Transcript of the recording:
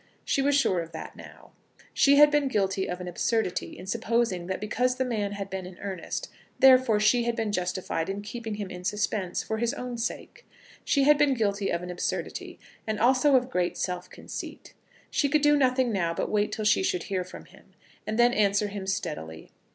She was sure of that now. She had been guilty of an absurdity in supposing that because the man had been in earnest, therefore she had been justified in keeping him in suspense, for his own sake. She had been guilty of an absurdity, and also of great self conceit. She could do nothing now but wait till she should hear from him, and then answer him steadily.